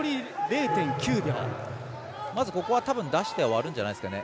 まずここは、出して終わるんじゃないでしょうかね。